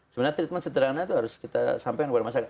sebenarnya treatment sederhana itu harus kita sampaikan kepada masyarakat